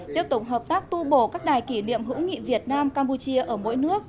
tiếp tục hợp tác tu bổ các đài kỷ niệm hữu nghị việt nam campuchia ở mỗi nước